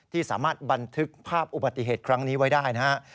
ที่สามารถบันทึกภาพอุบัติเหตุครั้งนี้ไว้ได้นะครับ